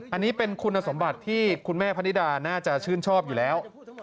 อันนี้เป็นคุณสมบัติที่คุณแม่พนิดาน่าจะชื่นชอบอยู่แล้ว